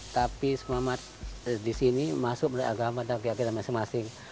tapi semuanya di sini masuk oleh agama dan keagamaan masing masing